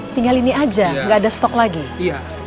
tinggal ini aja gak ada stok lagi iya